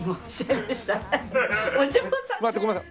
待ってごめんなさい。